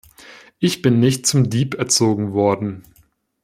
Ich bin nicht zum Dieb erzogen worden.